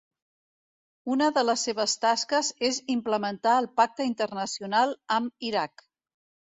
Una de les seves tasques és implementar el Pacte Internacional amb Iraq.